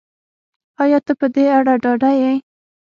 ایا ته په دې اړه ډاډه یې